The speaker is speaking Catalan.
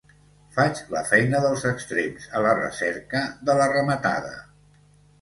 Faig la feina dels extrems a la recerca de la rematada.